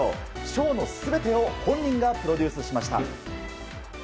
ショーの全てを本人がプロデュースしました。